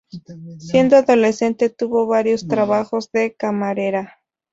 Siendo adolescente tuvo varios trabajos de camarera.